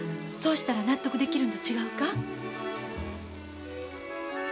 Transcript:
そうしたら納得できるんと違うか？